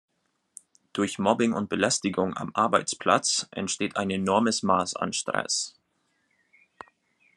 Durch Mobbing und Belästigung am Arbeitsplatz entsteht ein enormes Maß an Stress.